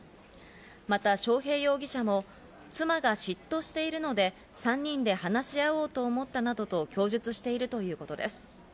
また章平容疑者も妻が嫉妬してるので３人で話し合おうと思ったなどと供述しているということです。